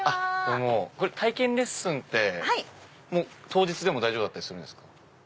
体験レッスンって当日でも大丈夫だったりするんですか？